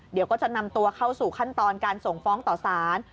เดี๋ยวก็จะนำตัวเข้าสู่ขั้นตอนการส่งฟ้องต่อสาร